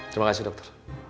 terima kasih dokter